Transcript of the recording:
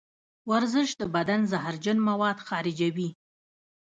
ورزش د بدن زهرجن مواد خارجوي.